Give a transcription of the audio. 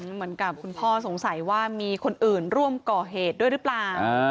เหมือนกับคุณพ่อสงสัยว่ามีคนอื่นร่วมก่อเหตุด้วยหรือเปล่า